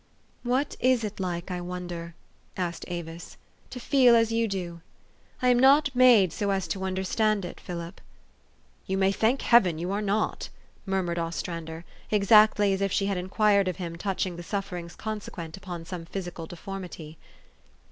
" What is it like, I wonder," asked Avis, "to feel as you do ? I am not made so as to understand it, Philip." "You may thank Heaven you are not," murmured Ostrander, exactly as if she had inquired of him touching the sufferings consequent upon some physi cal deformity.